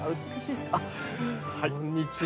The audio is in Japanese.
あっこんにちは。